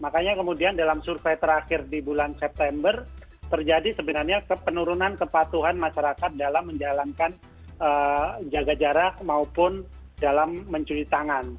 makanya kemudian dalam survei terakhir di bulan september terjadi sebenarnya penurunan kepatuhan masyarakat dalam menjalankan jaga jarak maupun dalam mencuci tangan